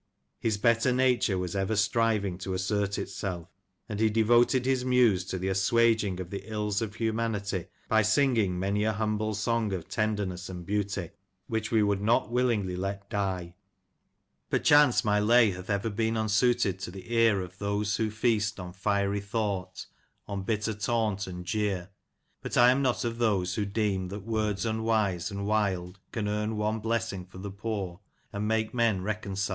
His better nature was ever striving to assert itself, and he devoted his muse to the assuaging of the ills of humanity by singing many a humble song of tenderness, and beauty, which we would not willingly let die. •......." Perchance my lay hath ever been unsuited to the ear Of those who feast on fiery thought, on bitter taunt and jeer ; But I am not of those who deem that words unwise and wild Can earn one blessing for the poor, and make men reconciled.